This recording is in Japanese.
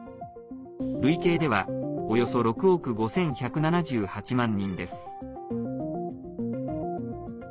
累計ではおよそ６億５１７８万人です。